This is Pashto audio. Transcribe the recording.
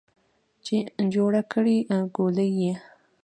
چې جوړه کړې ګولۍ یې